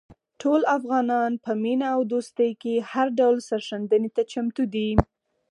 ټول افغانان په مینه او دوستۍ کې هر ډول سرښندنې ته چمتو دي.